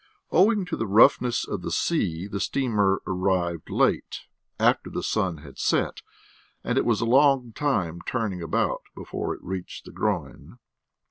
Owing to the roughness of the sea, the steamer arrived late, after the sun had set, and it was a long time turning about before it reached the groyne.